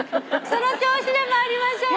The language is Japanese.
その調子で参りましょうね。